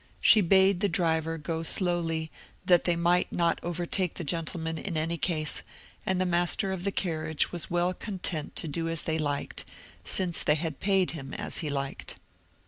She bade the driver, go slowly, that they might not overtake the gentlemen in any case; and the master of the carriage was well content to do as they liked, since they had paid him as he liked.